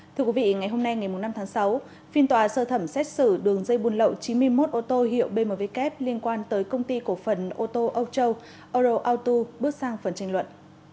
thưa quý vị ngày hôm nay ngày năm tháng sáu phiên tòa sơ thẩm xét xử đường dây buôn lậu chín mươi một ô tô hiệu bmw kép liên quan tới công ty cổ phần ô tô âu châu euro autu bước sang phần tranh luận